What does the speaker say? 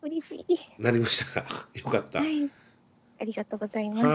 ありがとうございます。